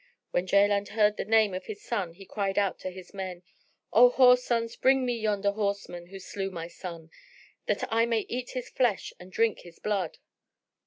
When Jaland heard the name of his son, he cried out to his men, "O whore sons, bring me yonder horseman who slew my son, that I may eat his flesh and drink his blood."